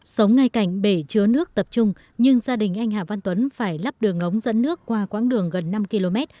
sống ngay cạnh bể chứa nước tập trung nhưng gia đình anh hà văn tuấn phải lắp đường ống dẫn nước qua quãng đường gần năm km